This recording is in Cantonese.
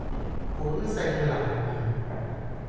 本性難移